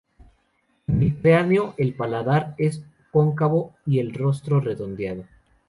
En el cráneo, el paladar es cóncavo y el rostro redondeado.